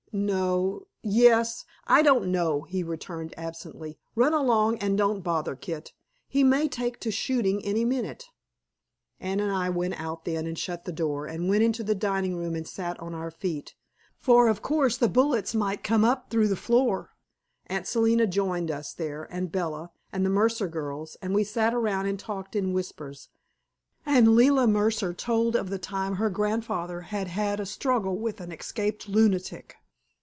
"No yes I don't know," he returned absently. "Run along and don't bother, Kit. He may take to shooting any minute." Anne and I went out then and shut the door, and went into the dining room and sat on our feet, for of course the bullets might come up through the floor. Aunt Selina joined us there, and Bella, and the Mercer girls, and we sat around and talked in whispers, and Leila Mercer told of the time her grandfather had had a struggle with an escaped lunatic.